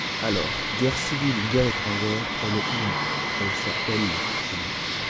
Alors, guerre civile ou guerre étrangère, elle est inique ; elle s’appelle le crime.